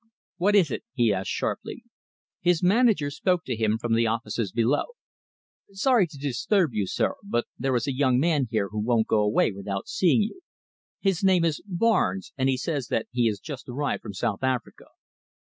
"What is it?" he asked sharply. His manager spoke to him from the offices below. "Sorry to disturb you, sir, but there is a young man here who won't go away without seeing you. His name is Barnes, and he says that he has just arrived from South Africa."